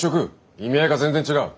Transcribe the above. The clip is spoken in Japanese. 意味合いが全然違う。